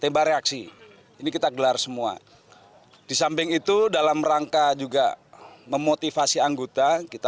tembak reaksi ini kita gelar semua disamping itu dalam rangka juga memotivasi anggota kita